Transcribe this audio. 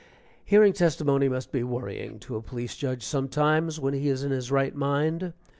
Hearing testimony must be worrying to a Police Judge sometimes, when he is in his right mind.